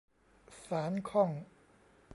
สานข้อง